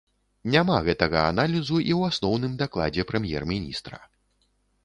Няма гэтага аналізу і ў асноўным дакладзе прэм'ер-міністра.